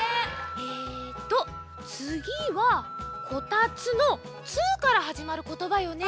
えっとつぎは「こたつ」の「つ」からはじまることばよね。